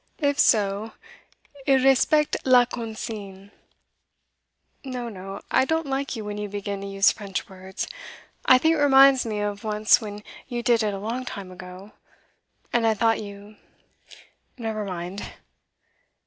'If so, il respecte la consigne.' 'No, no; I don't like you when you begin to use French words. I think it reminds me of once when you did it a long time ago, and I thought you never mind.